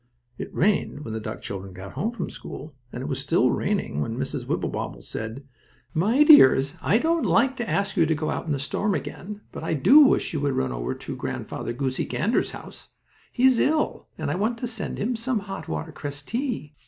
It rained when the duck children got home from school, and it was still raining when Mrs. Wibblewobble said: "My dears, I don't like to ask you to go out in the storm again, but I do wish you would run over to Grandfather Goosey Gander's house. He is ill, and I want to send him some hot watercress tea."